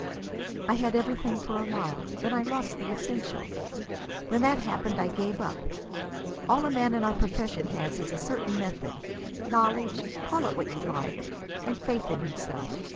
"I had everything for a while. Then I lost the essential. When that happened I gave up. All a man in our profession has is a certain method, knowledge call it what you like, and faith in himself.